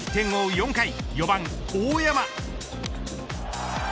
４回、４番大山。